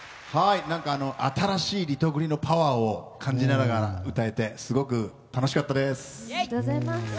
新しいリトグリのパワーを感じながら歌えてすごく楽しかったです。